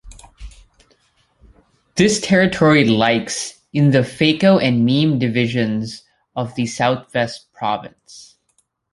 This territory likes in the Fako and Meme divisions of the Southwest Province.